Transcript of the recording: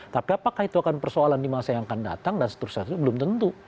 tapi apakah itu akan persoalan di masa yang akan datang dan seterusnya itu belum tentu